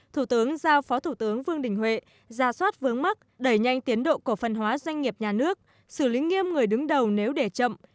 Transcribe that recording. thủ tướng giao phó thủ tướng vương đình huệ giả soát vướng mắc đẩy nhanh tiến độ cổ phân hóa doanh nghiệp nhà nước xử lý nghiêm người đứng đầu nếu để chậm